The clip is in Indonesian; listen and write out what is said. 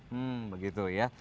hmm begitu ya